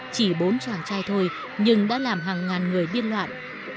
chỉ bốn chàng trai thôi nhưng đã làm hàng ngàn người biên soạn